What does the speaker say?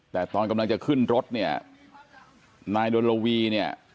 แต่ตอนกำลังจะขึ้นรถเนี่ยนายดนลวีเนี่ย